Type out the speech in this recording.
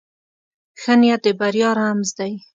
ښه نیت د بریا رمز دی.